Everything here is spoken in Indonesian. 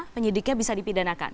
penyidiknya bisa dipidanakan